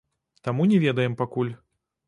Таму не ведаем пакуль.